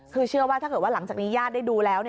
คือเชื่อว่าถ้าเกิดว่าหลังจากนี้ญาติได้ดูแล้ว